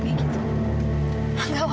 bagian dari masa lalu mama